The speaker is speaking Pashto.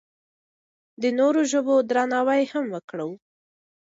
د نورو ژبو درناوی هم وکړو.